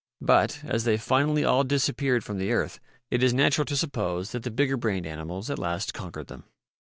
But, as they finally all disappeared from the earth, it is natural to suppose that the bigger brained animals at last conquered them.